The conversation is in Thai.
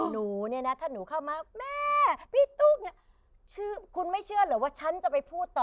คุณไม่เชื่อเหรอว่าฉันจะไปกับคุณไปพูดจะไปพูดต่อถึงคุณในทางที่ดี